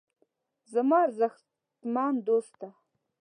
زما ارزښتمن دوسته.